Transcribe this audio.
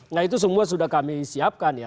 nah itu semua sudah kami siapkan ya